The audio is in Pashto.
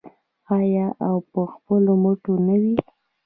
آیا او په خپلو مټو نه وي؟